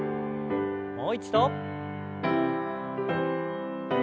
もう一度。